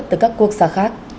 từ các quốc gia khác